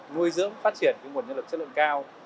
nuôi dưỡng phát triển nguồn nhân lực chất lượng cao